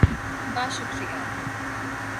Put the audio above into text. Bashkir